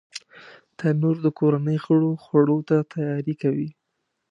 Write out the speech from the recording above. تنور د کورنۍ غړو خوړو ته تیاری کوي